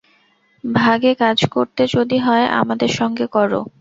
ভাগে কাজ করতে যদি হয় আমাদের সঙ্গে করো।